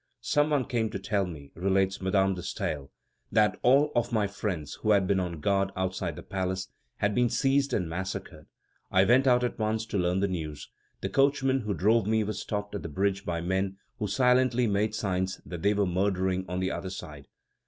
"Some one came to tell me," relates Madame de Staël, "that all of my friends who had been on guard outside the palace, had been seized and massacred. I went out at once to learn the news; the coachman who drove me was stopped at the bridge by men who silently made signs that they were murdering on the other side.